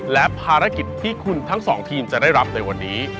และภารกิจที่คุณทั้งสองทีมจะได้รับในวันนี้